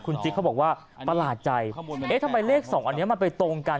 คุณจิ๊กเขาบอกว่าประหลาดใจเอ๊ะทำไมเลข๒อันนี้มันไปตรงกัน